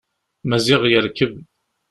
Maziɣ yerkeb.